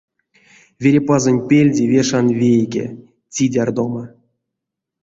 Верепазонть пельде вешан вейке — цидярдома.